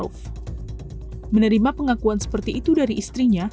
menerima pengakuan seperti itu dari istrinya